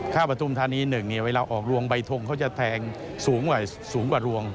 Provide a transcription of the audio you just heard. ข้าวประทุมธานี๑เวลาออกรวงใบทงเขาจะแทงสูงกว่ารวง